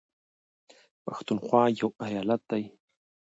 پښنونخوا يو ايالت دى